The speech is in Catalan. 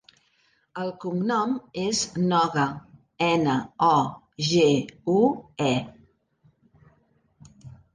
El cognom és Nogue: ena, o, ge, u, e.